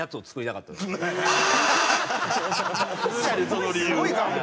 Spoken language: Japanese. その理由。